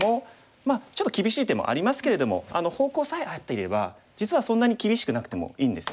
まあちょっと厳しい手もありますけれども方向さえ合っていれば実はそんなに厳しくなくてもいいんですよね。